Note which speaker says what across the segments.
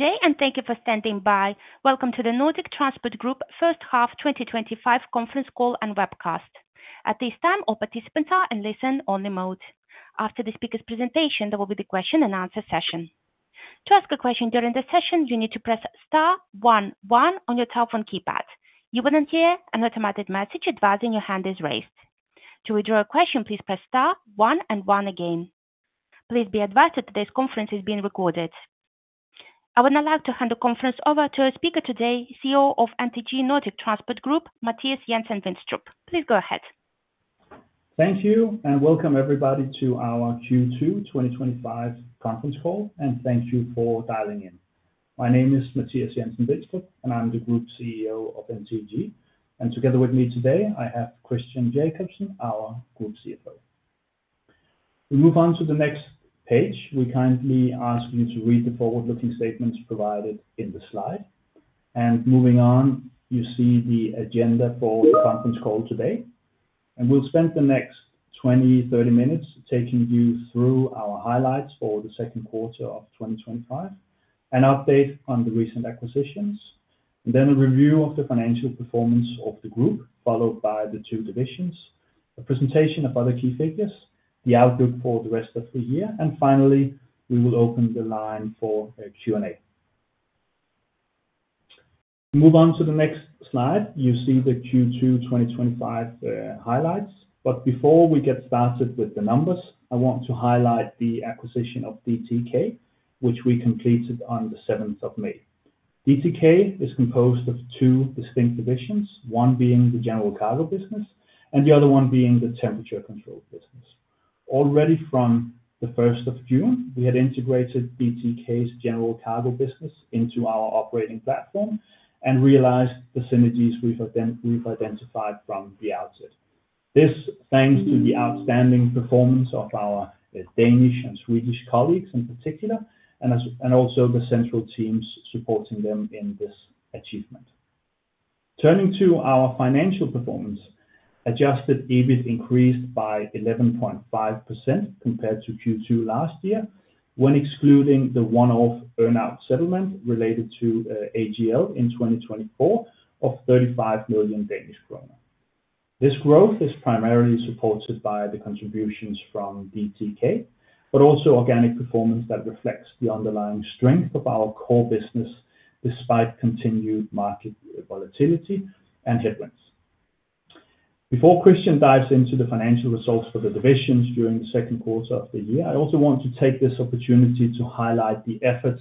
Speaker 1: Today, and thank you for standing by, welcome to the Nordic Transport Group First Half 2025 Conference Call and Webcast. At this time, all participants are in listen-only mode. After the speaker's presentation, there will be the question-and-answer session. To ask a question during the session, you need to press star one one on your telephone keypad. You will not hear an automated message advising your hand is raised. To withdraw a question, please press star one and one again. Please be advised that today's conference is being recorded. I would now like to hand the conference over to our speaker today, CEO of NTG Nordic Transport Group, Mathias Jensen-Vinstrup. Please go ahead.
Speaker 2: Thank you, and welcome everybody to our Q2 2025 conference call, and thank you for dialing in. My name is Mathias Jensen-Vinstrup, and I'm the Group CEO of NTG. Together with me today, I have Christian Jakobsen, our Group CFO. We move on to the next page. We kindly ask you to read the forward-looking statements provided in the slide. Moving on, you see the agenda for the conference call today. We'll spend the next 20-30 minutes taking you through our highlights for the second quarter of 2025 and update on the recent acquisitions, then a review of the financial performance of the group, followed by the two divisions, a presentation of other key figures, the outlook for the rest of the year, and finally, we will open the line for a Q&A. Move on to the next slide. You see the Q2 2025 highlights. Before we get started with the numbers, I want to highlight the acquisition of DTK, which we completed on the 7th of May. DTK is composed of two distinct divisions, one being the general cargo business and the other one being the temperature control business. Already from the 1st of June, we had integrated DTK's general cargo business into our operating platform and realized the synergies we've identified from the outset. This is thanks to the outstanding performance of our Danish and Swedish colleagues in particular, and also the central teams supporting them in this achievement. Turning to our financial performance, adjusted EBIT increased by 11.5% compared to Q2 last year when excluding the one-off earnout settlement related to AGL in 2024 of 35 million Danish kroner. This growth is primarily supported by the contributions from DTK, but also organic performance that reflects the underlying strength of our core business despite continued market volatility and headwinds. Before Christian dives into the financial results for the divisions during the second quarter of the year, I also want to take this opportunity to highlight the efforts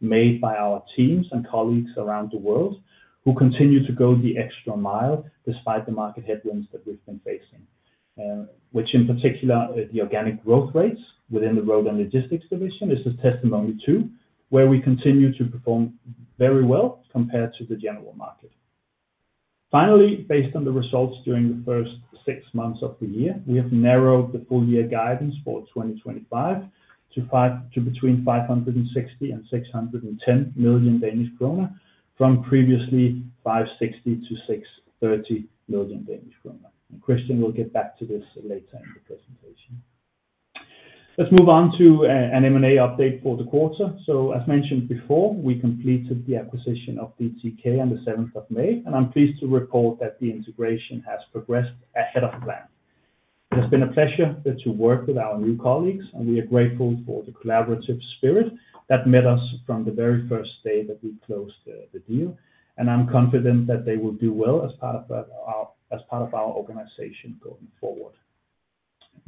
Speaker 2: made by our teams and colleagues around the world who continue to go the extra mile despite the market headwinds that we've been facing, which, in particular, the organic growth rates within the Road & Logistics division is a testimony to where we continue to perform very well compared to the general market. Finally, based on the results during the first six months of the year, we have narrowed the full year guidance for 2025 to between 560 million and 610 million Danish krone from previously 560 million-630 million Danish krone. Christian, we'll get back to this later in the presentation. Let's move on to an M&A update for the quarter. As mentioned before, we completed the acquisition of DTK on the 7th of May, and I'm pleased to report that the integration has progressed ahead of plan. It has been a pleasure to work with our new colleagues, and we are grateful for the collaborative spirit that met us from the very first day that we closed the deal. I'm confident that they will do well as part of our organization going forward.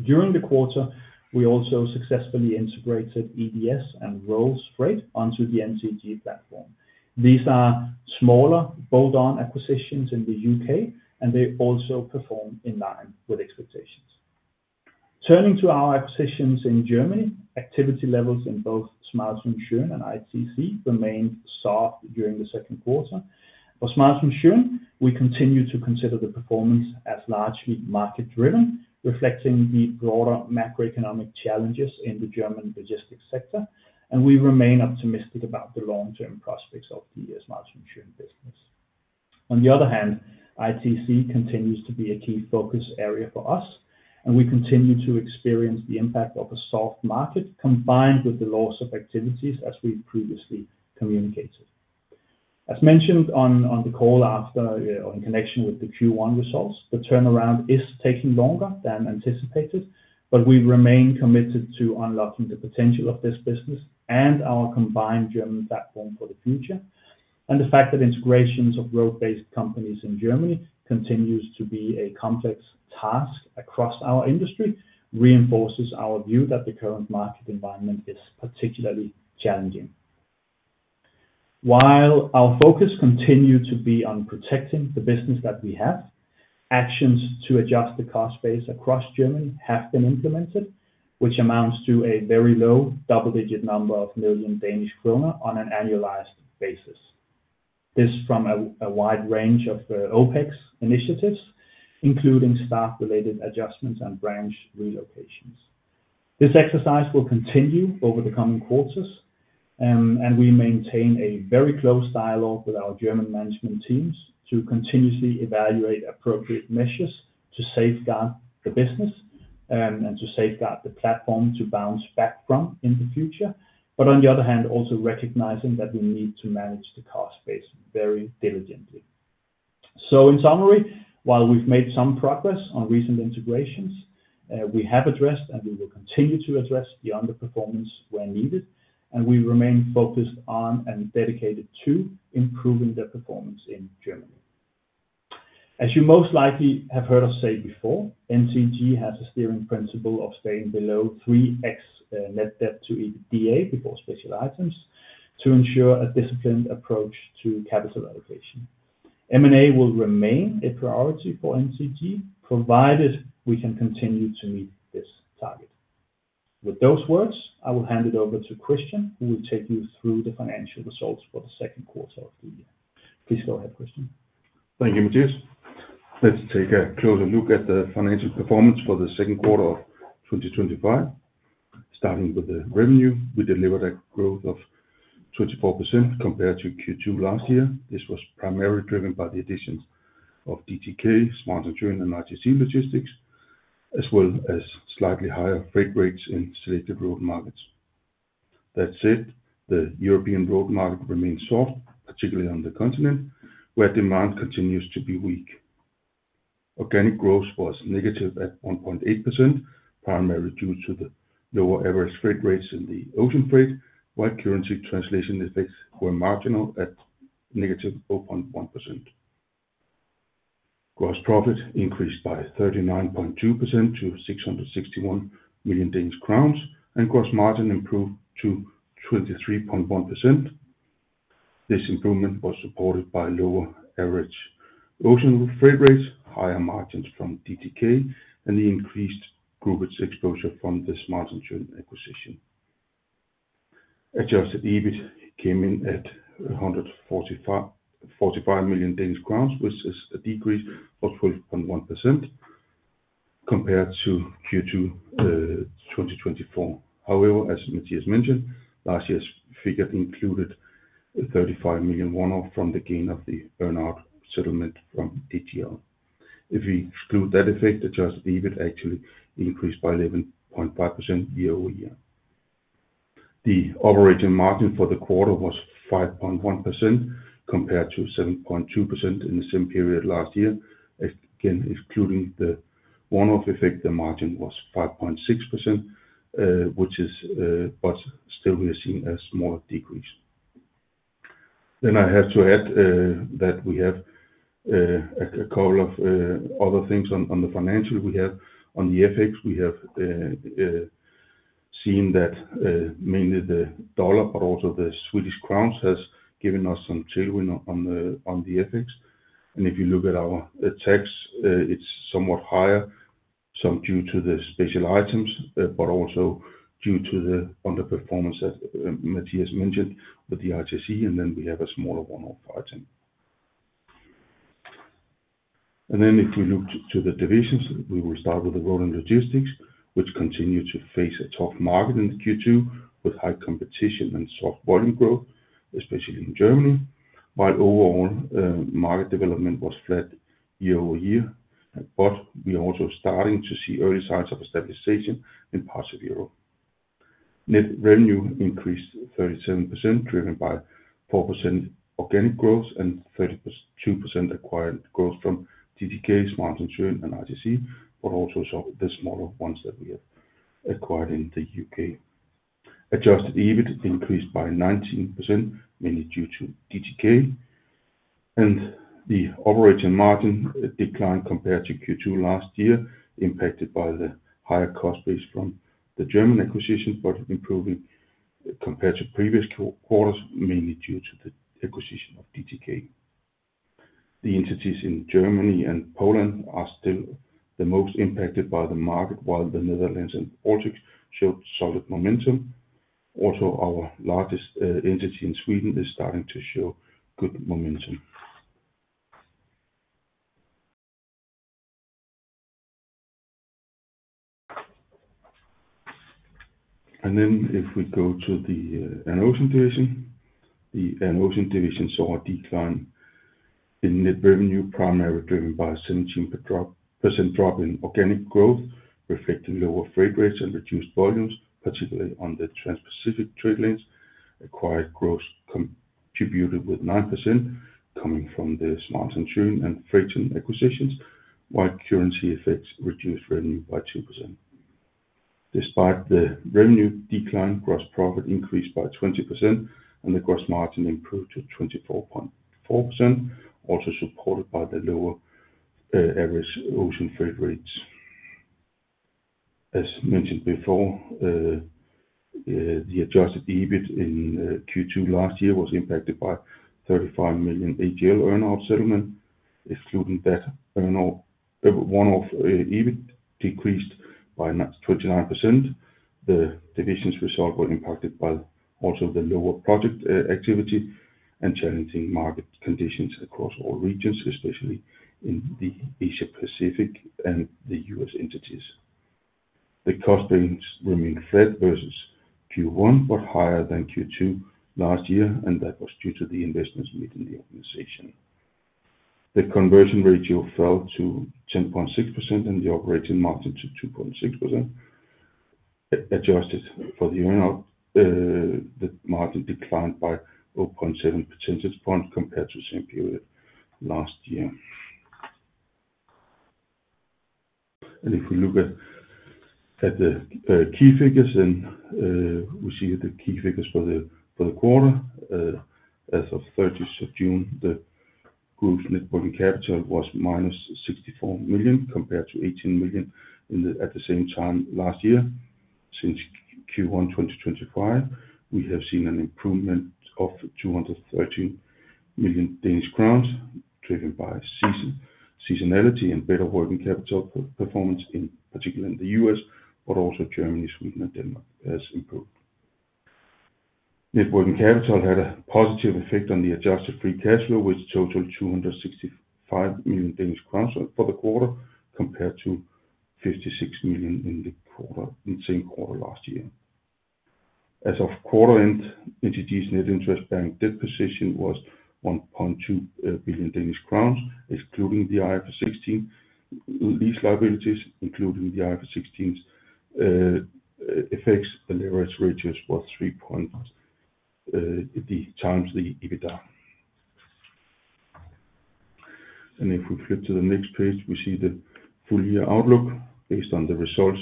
Speaker 2: During the quarter, we also successfully integrated EDS and Rolls Freight onto the NTG platform. These are smaller, bolt-on acquisitions in the U.K., and they also perform in line with expectations. Turning to our acquisitions in Germany, activity levels in both Schmalz+Schön and ITC remained soft during the second quarter. For Schmalz+Schön, we continue to consider the performance as largely market-driven, reflecting the broader macroeconomic challenges in the German logistics sector. We remain optimistic about the long-term prospects of the Schmalz+Schön business. On the other hand, ITC continues to be a key focus area for us, and we continue to experience the impact of a soft market combined with the loss of activities as we previously communicated. As mentioned on the call in connection with the Q1 results, the turnaround is taking longer than anticipated, but we remain committed to unlocking the potential of this business and our combined German platform for the future. The fact that integrations of world-based companies in Germany continue to be a complex task across our industry reinforces our view that the current market environment is particularly challenging. While our focus continues to be on protecting the business that we have, actions to adjust the cost base across Germany have been implemented, which amounts to a very low double-digit number of million Danish kroner on an annualized basis. This is from a wide range of OpEx initiatives, including staff-related adjustments and branch relocations. This exercise will continue over the coming quarters, and we maintain a very close dialogue with our German management teams to continuously evaluate appropriate measures to safeguard the business and to safeguard the platform to bounce back from in the future. On the other hand, also recognizing that we need to manage the cost base very diligently. In summary, while we've made some progress on recent integrations, we have addressed and we will continue to address the underperformance where needed, and we remain focused on and dedicated to improving the performance in Germany. As you most likely have heard us say before, NTG has a steering principle of staying below 3x net debt to EBITDA before special items to ensure a disciplined approach to capital allocation. M&A will remain a priority for NTG provided we can continue to meet this target. With those words, I will hand it over to Christian and will take you through the financial results for the second quarter of the year. Please go ahead, Christian.
Speaker 3: Thank you, Mathias. Let's take a closer look at the financial performance for the second quarter of 2025. Starting with the revenue, we delivered a growth of 24% compared to Q2 last year. This was primarily driven by the additions of DTK, SCHMALZ+SCHÖN, and ITC Logistics, as well as slightly higher freight rates in selected road markets. That said, the European road market remains soft, particularly on the continent where demand continues to be weak. Organic growth was negative at 1.8%, primarily due to the lower average freight rates in the ocean freight, while currency translation effects were marginal at -0.1%. Gross profit increased by 39.2% to 661 million Danish crowns, and gross margin improved to 23.1%. This improvement was supported by lower average ocean route freight rates, higher margins from DTK, and the increased group exposure from the SCHMALZ+SCHÖN acquisition. Adjusted EBIT came in at 145 million Danish crowns, which is a decrease of 12.1% compared to Q2 2024. However, as Mathias mentioned, last year's figure included a 35 million one-off from the gain of the earnout settlement from DTL. If we exclude that effect, adjusted EBIT actually increased by 11.5% year-over-year. The operating margin for the quarter was 5.1% compared to 7.2% in the same period last year. Excluding the one-off effect, the margin was 5.6%, which is still a small decrease. I have to add that we have a couple of other things on the financial. On the FX, we have seen that mainly the dollar, but also the Swedish crowns, has given us some tailwind on the FX. If you look at our tax, it's somewhat higher, some due to the special items, but also due to the underperformance that Mathias mentioned with ITC, and we have a smaller one-off item. If we look to the divisions, we will start with the Road & Logistics, which continue to face a tough market in Q2 with high competition and soft volume growth, especially in Germany. While overall market development was flat year-over-year, we are also starting to see early signs of a stabilization in parts of Europe. Net revenue increased 37%, driven by 4% organic growth and 32% acquired growth from DTK, SCHMALZ+SCHÖN, and ITC, but also some of the smaller ones that we have acquired in the U.K. Adjusted EBIT increased by 19%, mainly due to DTK. The operating margin declined compared to Q2 last year, impacted by the higher cost base from the German acquisition, but improving compared to previous quarters, mainly due to the acquisition of DTK. The entities in Germany and Poland are still the most impacted by the market, while the Netherlands and Baltics showed solid momentum. Our largest entity in Sweden is starting to show good momentum. If we go to the Air & Ocean division, the Air & Ocean division saw a decline in net revenue, primarily driven by a 17% drop in organic growth, reflecting lower freight rates and reduced volumes, particularly on the Transpacific trade lanes. Acquired growth contributed with 9% coming from the SCHMALZ+SCHÖN and Freight acquisitions, while currency effects reduced revenue by 2%. Despite the revenue decline, gross profit increased by 20%, and the gross margin improved to 24.4%, also supported by the lower average ocean freight rates. As mentioned before, the adjusted EBIT in Q2 last year was impacted by a 35 million AGL earnout settlement. Excluding that one-off, EBIT decreased by 29%. The division's results were impacted by the lower project activity and challenging market conditions across all regions, especially in the Asia-Pacific and the U.S. entities. The cost gains remain flat versus Q1, but higher than Q2 last year, and that was due to the investments made in the organization. The conversion ratio fell to 10.6% and the operating margin to 2.6%. Adjusted for the earnout, the margin declined by 0.7 percentage points compared to the same period last year. If we look at the key figures, then we see that the key figures for the quarter, as of June 30, the group's net holding capital was -64 million compared to 18 million at the same time last year. Since Q1 2025, we have seen an improvement of 213 million Danish crowns, driven by seasonality and better holding capital performance, particularly in the U.S., but also Germany, Sweden, and Denmark has improved. Net holding capital had a positive effect on the adjusted free cash flow, which totaled 265 million Danish crowns for the quarter compared to 56 million in the same quarter last year. As of quarter end, NTG's net interest bearing debt position was 1.2 billion Danish crowns, excluding the IFRS 16 lease liabilities. Including the IFRS 16 effects, the leverage ratio was 3.1x the EBITDA. If we flip to the next page, we see the full year outlook based on the results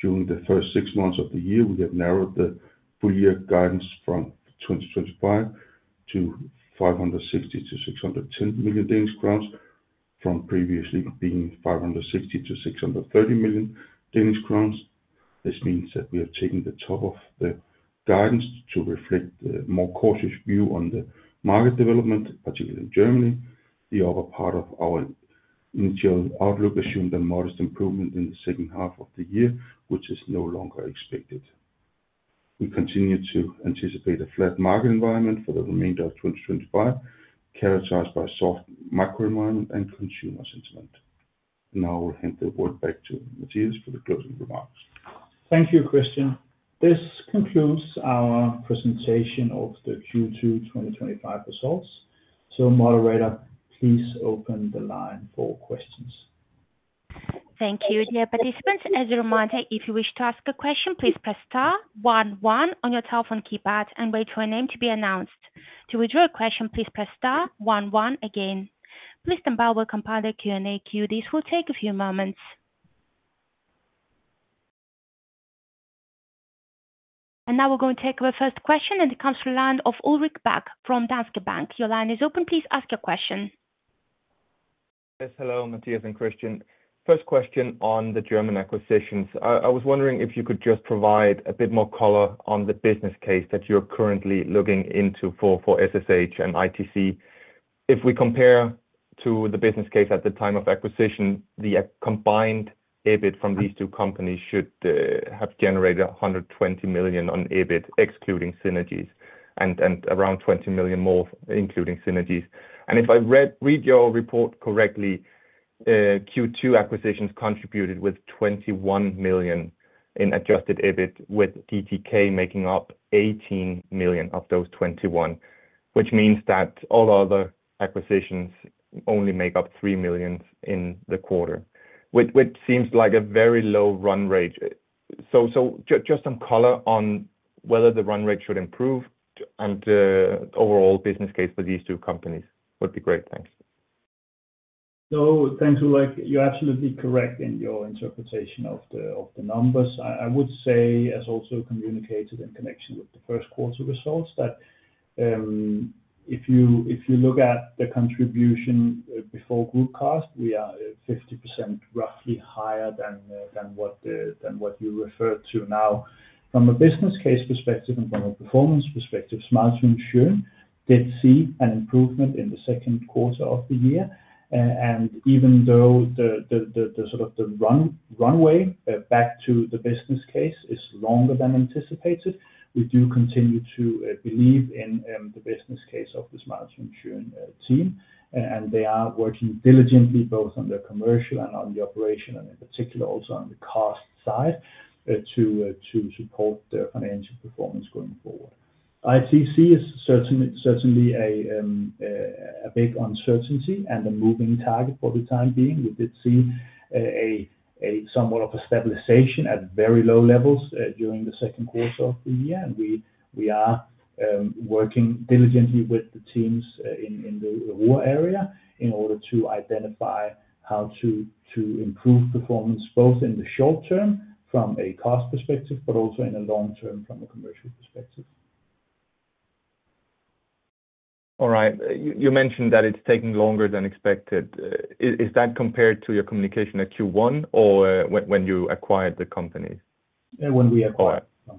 Speaker 3: during the first six months of the year. We have narrowed the full year guidance for 2025 to 560 million-610 million Danish crowns, from previously being 560 million-630 million Danish crowns. This means that we have taken the top of the guidance to reflect a more cautious view on the market development, particularly in Germany. The upper part of our initial outlook assumed a modest improvement in the second half of the year, which is no longer expected. We continue to anticipate a flat market environment for the remainder of 2025, characterized by a soft macro environment and consumer sentiment. Now I will hand the word back to Mathias for the closing remark.
Speaker 2: Thank you, Christian. This concludes our presentation of the Q2 2025 results. Moderator, please open the line for questions.
Speaker 1: Thank you, dear participants. As a reminder, if you wish to ask a question, please press star one one on your telephone keypad and wait for your name to be announced. To withdraw a question, please press star one one again. Listen by will compile the Q&A queue. This will take a few moments. We are going to take our first question, and it comes from the line of Ulrik Bak from Danske Bank. Your line is open. Please ask your question.
Speaker 4: Yes, hello, Mathias and Christian. First question on the German acquisitions. I was wondering if you could just provide a bit more color on the business case that you're currently looking into for SSH and ITC. If we compare to the business case at the time of acquisition, the combined EBIT from these two companies should have generated 120 million on EBIT, excluding synergies, and around 20 million more, including synergies. If I read your report correctly, Q2 acquisitions contributed with 21 million in adjusted EBIT, with DTK making up 18 million of those 21 million, which means that all other acquisitions only make up 3 million in the quarter, which seems like a very low run rate. Just some color on whether the run rate should improve and the overall business case for these two companies would be great. Thanks.
Speaker 2: No, thanks, Ulrik. You're absolutely correct in your interpretation of the numbers. I would say, as also communicated in connection with the first quarter results, that if you look at the contribution before group cost, we are roughly 50% higher than what you referred to now. From a business case perspective and from a performance perspective, SCHMALZ+SCHÖN did see an improvement in the second quarter of the year. Even though the sort of runway back to the business case is longer than anticipated, we do continue to believe in the business case of the SCHMALZ+SCHÖN team. They are working diligently both on the commercial and on the operational, and in particular also on the cost side to support the financial performance going forward. ITC is certainly a big uncertainty and a moving target for the time being. We did see somewhat of a stabilization at very low levels during the second quarter of the year. We are working diligently with the teams in the Ruhr area in order to identify how to improve performance both in the short-term from a cost perspective, but also in the long-term from a commercial perspective.
Speaker 4: All right. You mentioned that it's taking longer than expected. Is that compared to your communication at Q1 or when you acquired the company?
Speaker 2: When we acquired.
Speaker 4: All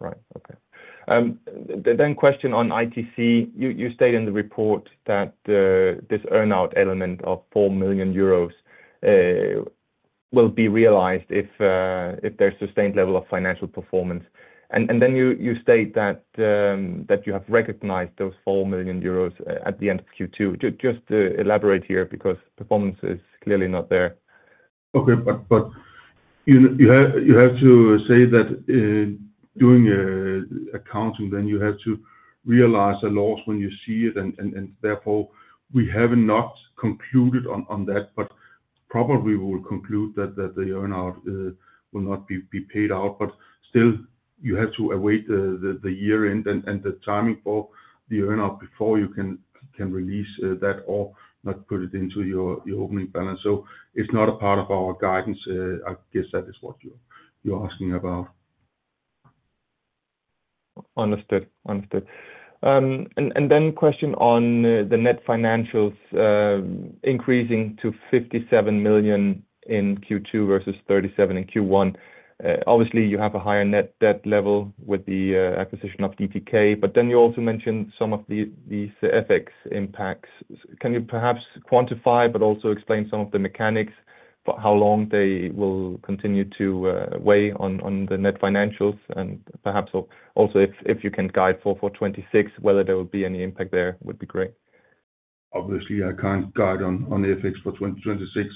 Speaker 4: right. Okay. Question on ITC. You state in the report that this earnout element of 4 million euros will be realized if there's a sustained level of financial performance. You state that you have recognized those 4 million euros at the end of Q2. Just to elaborate here because performance is clearly not there.
Speaker 3: Okay, you have to say that during accounting, you have to realize a loss when you see it. Therefore, we haven't concluded on that, but probably we will conclude that the earnout will not be paid out. You have to await the year-end and the timing of the earnout before you can release that or not put it into your opening balance. It's not a part of our guidance. I guess that is what you're asking about.
Speaker 4: Understood, understood. A question on the net financials increasing to 57 million in Q2 versus 37 million in Q1. Obviously, you have a higher net debt level with the acquisition of DTK, but you also mentioned some of these FX impacts. Can you perhaps quantify, but also explain some of the mechanics for how long they will continue to weigh on the net financials? If you can guide for 2026, whether there will be any impact there, it would be great.
Speaker 3: Obviously, I can't guide on FX for 2026,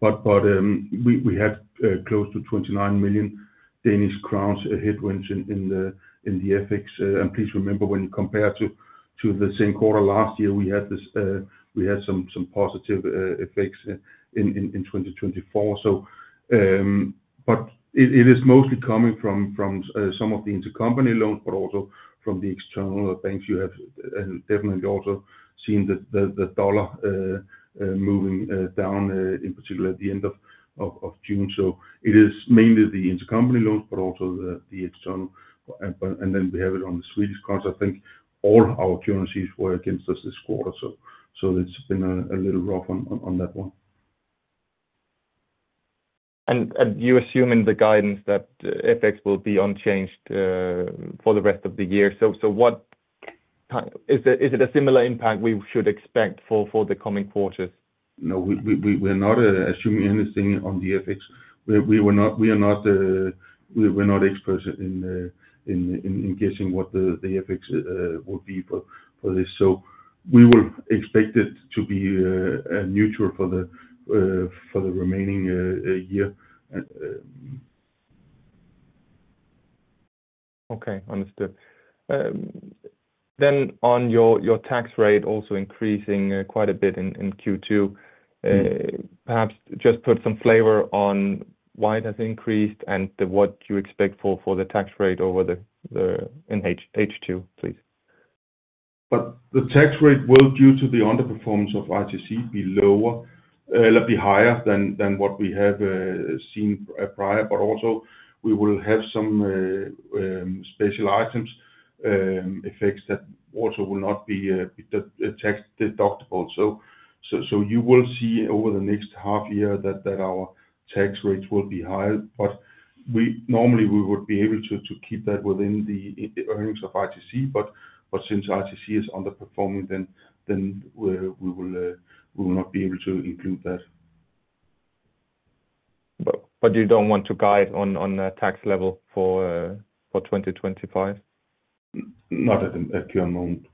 Speaker 3: but we have close to 29 million Danish crowns headwinds in the FX. Please remember, when you compare to the same quarter last year, we had some positive effects in 2024. It is mostly coming from some of the intercompany loans, but also from the external banks. You have definitely also seen the dollar moving down, in particular at the end of June. It is mainly the intercompany loans, but also the external. We have it on the Swedish Krona as well. I think all our currencies were against us this quarter. It's been a little rough on that one.
Speaker 4: You assume in the guidance that FX will be unchanged for the rest of the year. Is it a similar impact we should expect for the coming quarters?
Speaker 3: No, we are not assuming anything on the FX. We are not experts in guessing what the FX will be, but we will expect it to be neutral for the remaining year.
Speaker 4: Okay, understood. On your tax rate, also increasing quite a bit in Q2, perhaps just put some flavor on why it has increased and what you expect for the tax rate over the H2, please.
Speaker 3: The tax rate will, due to the underperformance of ITC, be higher than what we have seen prior. We will also have some special items effects that will not be tax-deductible. You will see over the next half year that our tax rates will be higher. Normally, we would be able to keep that within the earnings of ITC, but since ITC is underperforming, we will not be able to include that.
Speaker 4: You don't want to guide on the tax level for 2025?
Speaker 3: Not at the moment.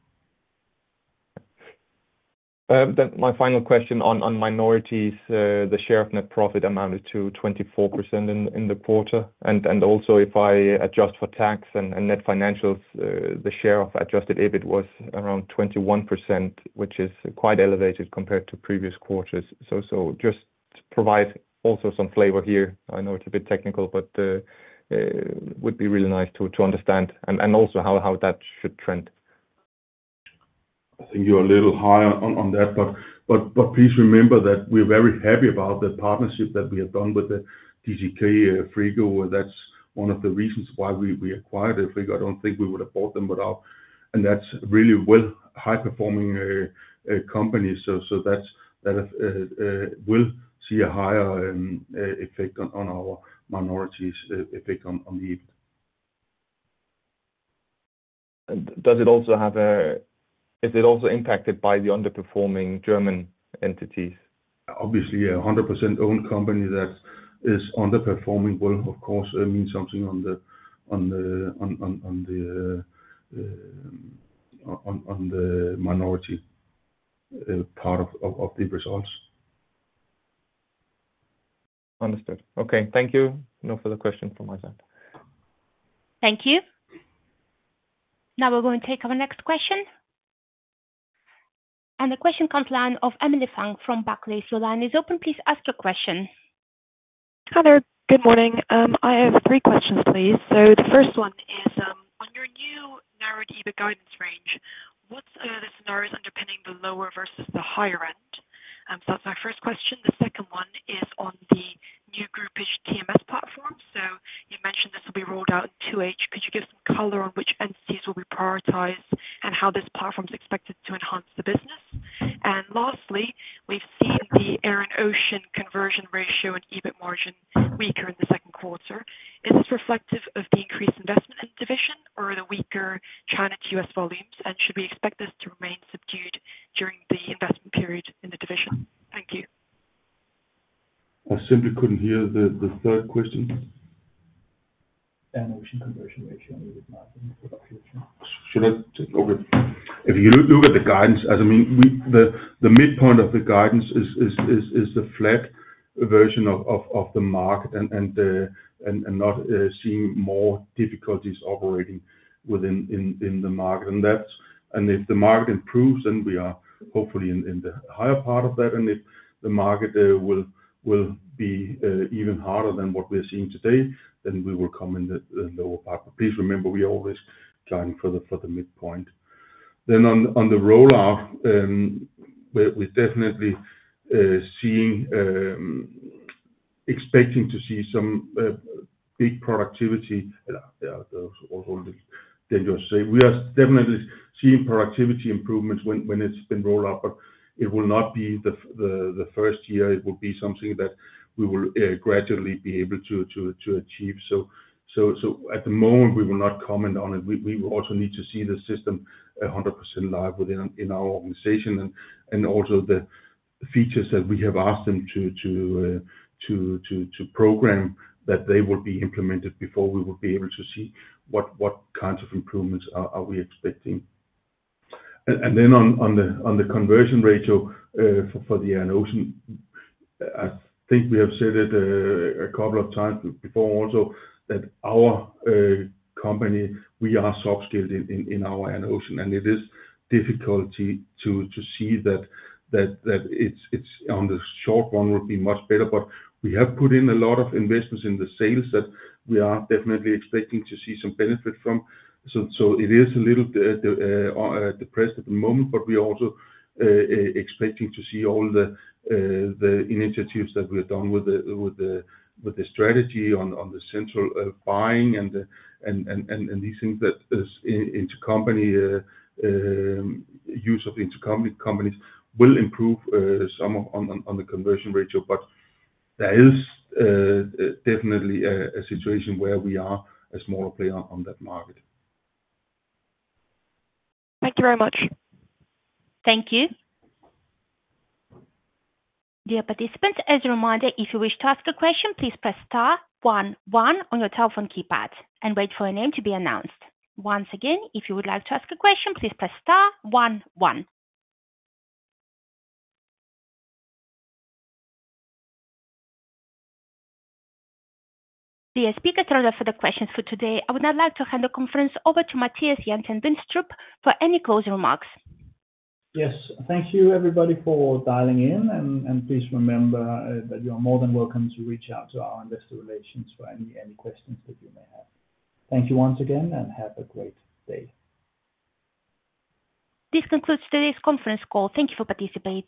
Speaker 4: My final question on minorities, the share of net profit amounted to 24% in the quarter. If I adjust for tax and net financials, the share of adjusted EBIT was around 21%, which is quite elevated compared to previous quarters. Please provide also some flavor here. I know it's a bit technical, but it would be really nice to understand and also how that should trend.
Speaker 3: I think you're a little high on that, but please remember that we're very happy about the partnership that we have done with DTK Frigo. That's one of the reasons why we acquired Frigo. I don't think we would have bought them without. That's really well high-performing companies, so that will see a higher effect on our minorities' effect on the EBIT.
Speaker 4: Is it also impacted by the underperforming German entities?
Speaker 3: Obviously, a 100% owned company that is underperforming will, of course, mean something on the minority part of the results.
Speaker 4: Understood. Okay, thank you. No further questions from my side.
Speaker 1: Thank you. Now we're going to take our next question. The question comes to the line of Emilie Fung from Barclays. The line is open. Please ask your question.
Speaker 5: Hi there. Good morning. I have three questions, please. The first one is, on your new narrowed EBIT guidance range, what are the scenarios underpinning the lower versus the higher end? That's my first question. The second one is on the new group TMS platform. You mentioned this will be rolled out in 2H. Could you give some color on which entities will be prioritized and how this platform is expected to enhance the business? Lastly, we've seen the Air and Ocean conversion ratio and EBIT margin weaker in the second quarter. Is this reflective of the increased investment in the division or the weaker China to U.S. volumes? Should we expect this to remain subdued during the investment period in the division? Thank you.
Speaker 3: I simply couldn't hear the third question.
Speaker 2: Air & Ocean conversion ratio and EBIT margin.
Speaker 3: Okay. If you look at the guidance, the midpoint of the guidance is the flat version of the market and not seeing more difficulties operating within the market. If the market improves, we are hopefully in the higher part of that. If the market will be even harder than what we're seeing today, we will come in the lower part. Please remember, we are always trying for the midpoint. On the rollout, we're definitely seeing, expecting to see some big productivity. I was holding it dangerous to say. We are definitely seeing productivity improvements when it's been rolled out, but it will not be the first year. It will be something that we will gradually be able to achieve. At the moment, we will not comment on it. We will also need to see the system 100% live within our organization. Also, the features that we have asked them to program, that they will be implemented before we will be able to see what kinds of improvements are we expecting. On the conversion ratio for the Air & Ocean, I think we have said it a couple of times before also that our company, we are soft-skilled in our Air & Ocean. It is difficult to see that it's on the short run will be much better, but we have put in a lot of investments in the sales that we are definitely expecting to see some benefit from. It is a little depressed at the moment, but we are also expecting to see all the initiatives that we have done with the strategy on the central buying and these things, that intercompany use of intercompany companies will improve some on the conversion ratio. That is definitely a situation where we are a small player on that market.
Speaker 5: Thank you very much.
Speaker 1: Thank you. Dear participants, as a reminder, if you wish to ask a question, please press star one one on your telephone keypad and wait for your name to be announced. Once again, if you would like to ask a question, please press star one one. The speaker closes for the questions for today. I would now like to hand the conference over to Mathias Jensen-Vinstrup for any closing remarks.
Speaker 2: Yes. Thank you, everybody, for dialing in. Please remember that you are more than welcome to reach out to our Investor Relations for any questions that you may have. Thank you once again and have a great day.
Speaker 1: This concludes today's conference call. Thank you for participating.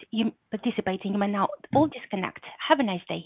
Speaker 1: You may now all disconnect. Have a nice day.